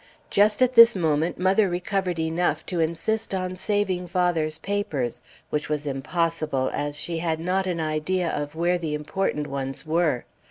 Just at this moment mother recovered enough to insist on saving father's papers which was impossible, as she had not an idea of where the important ones were.